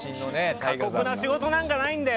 過酷な仕事なんかないんだよ。